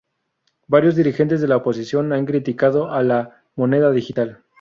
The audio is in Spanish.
Varios dirigentes de la oposición han criticado a la moneda digital.